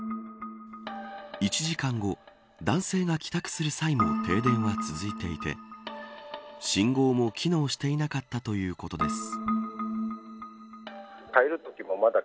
１時間後、男性が帰宅する際も停電は続いていて信号も機能していなかったということです。